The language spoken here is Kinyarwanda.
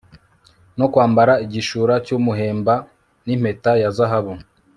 no kwambara igishura cy'umuhemba n'impeta ya zahabu